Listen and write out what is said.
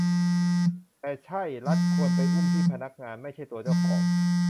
แต่ใช่ รัฐควรไปอุ้มที่พนักงาน ไม่ใช่ตัวเจ้าของ